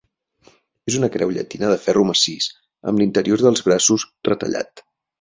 És una creu llatina de ferro massís, amb l'interior dels braços retallat.